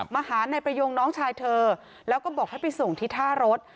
มาหานายประยงน้องชายเธอแล้วก็บอกให้ไปส่งที่ท่ารถ